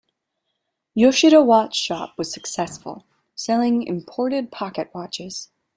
Yoshida Watch Shop was successful, selling imported pocketwatches.